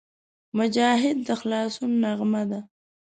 مجاهد د خلاصون نغمه ده.